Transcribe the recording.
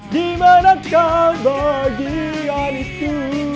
di mana kau bagian itu